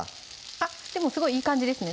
あっすごいいい感じですね